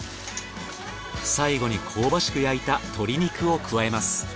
最後に香ばしく焼いた鶏肉を加えます。